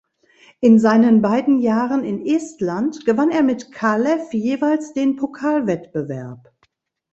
In seinen beiden Jahren in Estland gewann er mit Kalev jeweils den Pokalwettbewerb.